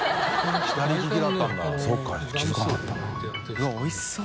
うわっおいしそう！